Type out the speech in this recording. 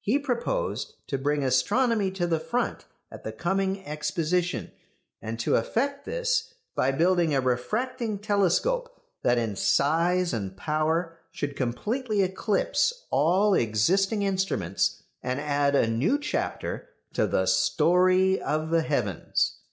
He proposed to bring astronomy to the front at the coming Exposition, and to effect this by building a refracting telescope that in size and power should completely eclipse all existing instruments and add a new chapter to the "story of the heavens."